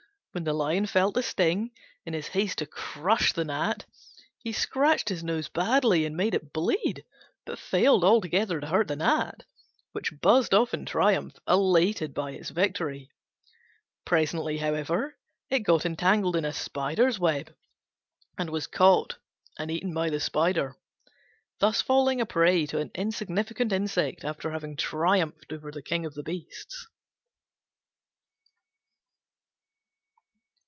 When the Lion felt the sting, in his haste to crush him he scratched his nose badly, and made it bleed, but failed altogether to hurt the Gnat, which buzzed off in triumph, elated by its victory. Presently, however, it got entangled in a spider's web, and was caught and eaten by the spider, thus falling a prey to an insignificant insect after having triumphed over the King of the Beasts.